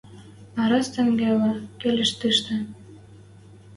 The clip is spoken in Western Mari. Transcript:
А раз тенгелӓ, келеш тиштӹ